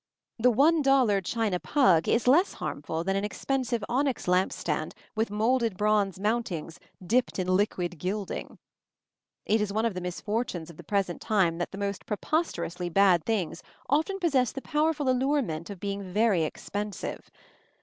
The one dollar china pug is less harmful than an expensive onyx lamp stand with moulded bronze mountings dipped in liquid gilding. It is one of the misfortunes of the present time that the most preposterously bad things often possess the powerful allurement of being expensive.